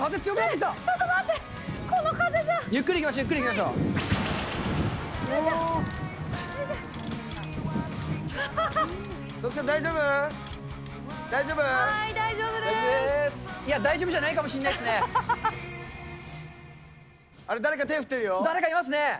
いや、大丈夫じゃないかもしんないですね。